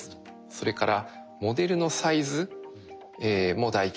それから「モデルのサイズも大規模です」と。